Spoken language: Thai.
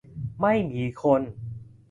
ไม่มีคน